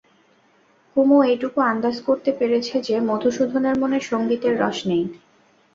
কুমু এইটুকু আন্দাজ করতে পেরেছে যে, মধুসূদনের মনে সংগীতের রস নেই।